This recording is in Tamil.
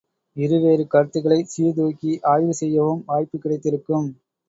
இருவேறு கருத்துகளைச் சீர்தூக்கி ஆய்வு செய்யவும் வாய்ப்புக் கிடைத்திருக்கும்.